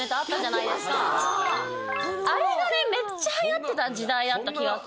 あれがねめっちゃはやってた時代あった気がする。